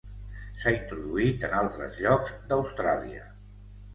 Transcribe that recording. S'ha introduït en altres llocs d'Austràlia.